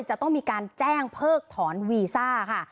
จะต้องมีการแจ้งเพิกถอนวีซ่าค่ะ